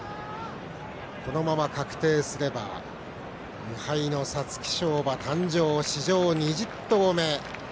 このまま確定すれば無敗の皐月賞馬誕生史上２０頭目。